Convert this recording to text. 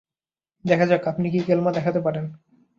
দেখা যাক আপনি কী কেলমা দেখাতে পারেন।